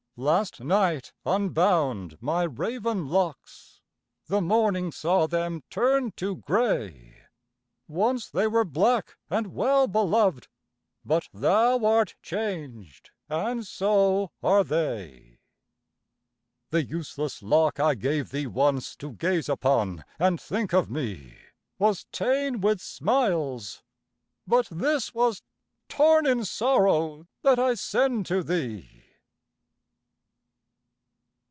Last night unbound my raven locks, The morning saw them turned to gray, Once they were black and well beloved, But thou art changed, and so are they! The useless lock I gave thee once, To gaze upon and think of me, Was ta'en with smiles, but this was torn In sorrow that I send to thee!